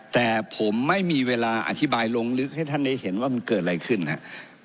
แต่ผมไม่มีเวลาอธิบายลงลึกให้ท่านได้เห็นว่ามันเกิดอะไรขึ้นครับ